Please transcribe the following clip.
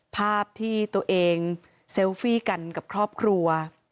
ภาพที่ตัวเองเซลฟี่กันกับครอบครัว